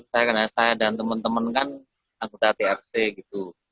dan saya dan teman teman kan anggota trc gitu